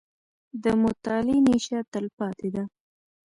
• د مطالعې نیشه، تلپاتې ده.